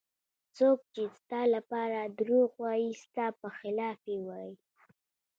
څوک چې ستا لپاره دروغ وایي ستا په خلاف یې وایي.